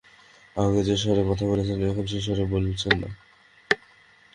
আগে যে-স্বরে কথা বলছিলেন, এখন সেই স্বরে বলছেন না!